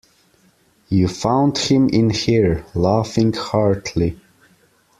You found him in here, laughing heartily.